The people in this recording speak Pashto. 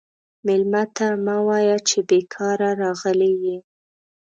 مېلمه ته مه وایه چې بیکاره راغلی یې.